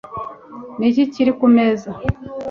Ni iki kiri ku meza